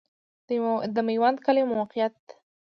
د میوند کلی موقعیت